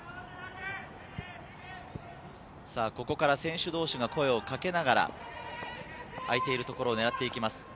ここから選手同士が声をかけながら、空いている所を狙っていきます。